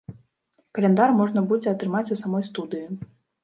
Каляндар можна будзе атрымаць у самой студыі.